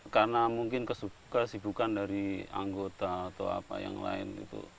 karena mungkin kesibukan dari anggota atau apa yang lain